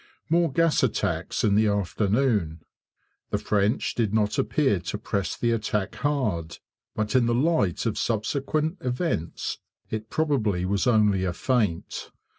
More gas attacks in the afternoon. The French did not appear to press the attack hard, but in the light of subsequent events it probably was only a feint.